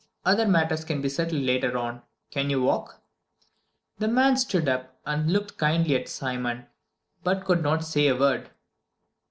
Other matters can be settled later on. Can you walk?" The man stood up and looked kindly at Simon, but could not say a word.